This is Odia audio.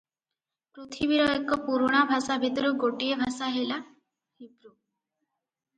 ପୃଥିବୀର ଏକ ପୁରୁଣା ଭାଷା ଭିତରୁ ଗୋଟିଏ ଭାଷା ହେଲା ହିବ୍ରୁ ।